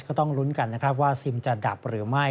ก็ต้องลุ้นกันนะครับว่าซิมจะดับหรือไม่